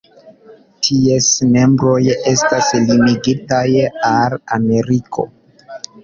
Ties membroj estas limigitaj al Ameriko.